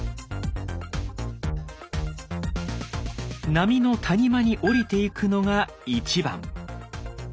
波の谷間に下りていくのが１番。